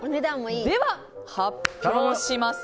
では、発表します。